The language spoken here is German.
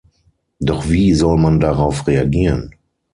Doch wie soll man darauf reagieren?